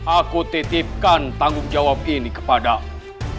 aku titipkan tanggung jawab ini kepadamu